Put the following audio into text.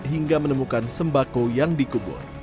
hingga menemukan sembako yang dikubur